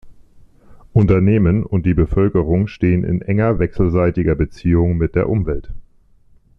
Unternehmen und die Bevölkerung stehen in enger wechselseitiger Beziehung mit der Umwelt.